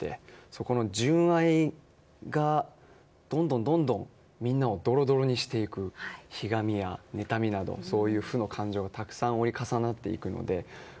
すごい純愛がどんどんみんなをドロドロにしていくひがみや妬みなど負の感情がたくさん折り重なっていくので。